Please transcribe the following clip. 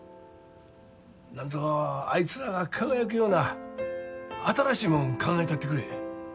なんぞあいつらが輝くような新しいもん考えたってくれ。